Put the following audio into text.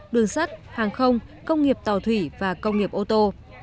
đường sắt hàng không công nghiệp tàu thủy và công nghiệp ô tô